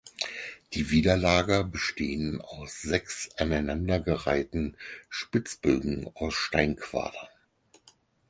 Die Widerlager bestehen aus sechs aneinandergereihten Spitzbögen aus Steinquadern.